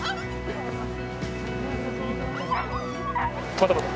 またまた。